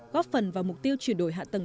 góp phần vào mục tiêu chuyển đổi hạ tầng